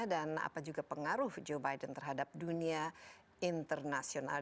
dan apa juga pengaruh joe biden terhadap dunia internasional